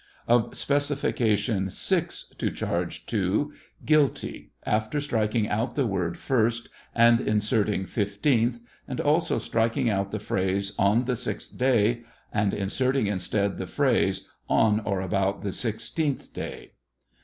■ Of specification six to charge II, "guilty," after striking out the word "first," and inserting "fifteenth," and also striking out the phrase " on the sixth day," and inserting instead the phrase "on or about the sixteenth day."